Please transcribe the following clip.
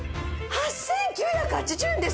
８９８０円ですよ！